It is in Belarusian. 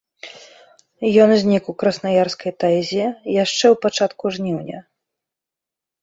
Ён знік у краснаярскай тайзе яшчэ ў пачатку жніўня.